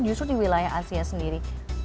justru di wilayah asia sendiri